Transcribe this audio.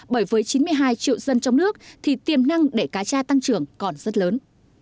bởi với chín mươi hai triệu dân trong nước thì tiềm năng để cá tra tăng trưởng còn rất lớn